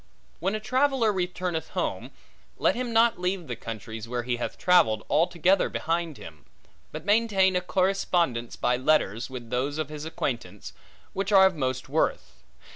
When a traveller returneth home, let him not leave the countries, where he hath travelled, altogether behind him; but maintain a correspondence by letters, with those of his acquaintance, which are of most worth.